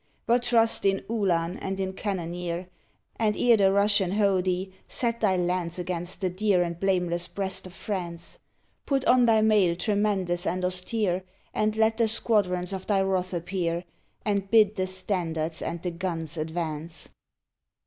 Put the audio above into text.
But trust in Uhlan and in cannoneer, And, ere the Russian hough thee, set thy lance Against the dear and blameless breast of France ! Put on thy mail tremendous and austere, And let the squadrons of thy wrath appear, And bid the standards and the guns advance